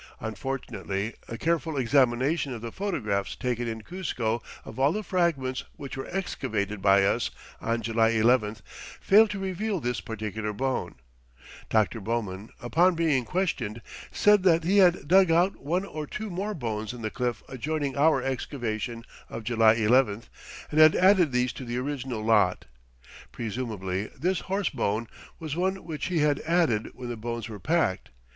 Unfortunately a careful examination of the photographs taken in Cuzco of all the fragments which were excavated by us on July 11th failed to reveal this particular bone. Dr. Bowman, upon being questioned, said that he had dug out one or two more bones in the cliff adjoining our excavation of July 11th and had added these to the original lot. Presumably this horse bone was one which he had added when the bones were packed.